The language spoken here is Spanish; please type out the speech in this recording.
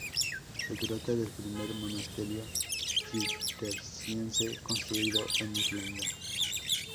Se trata del primer monasterio cisterciense construido en Irlanda.